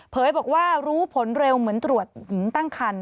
บอกว่ารู้ผลเร็วเหมือนตรวจหญิงตั้งคัน